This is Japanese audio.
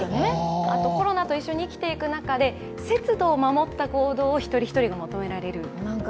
コロナと一緒に生きていく中で、節度を守った行動をひとりひとりが求められる。